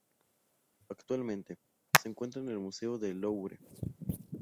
Actualmente, se encuentra en el Museo del Louvre.